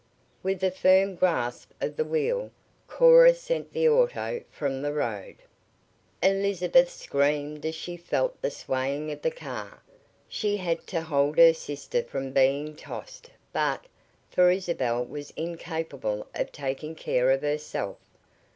With a firm grasp of the wheel Cora sent the auto from the road. Elizabeth screamed as she felt the swaying of the car. She had to hold her sister from being tossed but, for Isabel was incapable of taking care of herself.